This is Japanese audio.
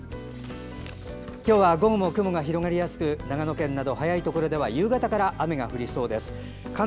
今日は午後も雲が広がりやすく長野県など早いところでは夕方から雨が降りそうです。